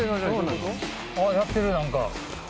あ、やってる、なんか。